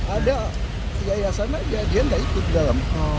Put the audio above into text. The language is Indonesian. ada siayasana dia nggak ikut di dalam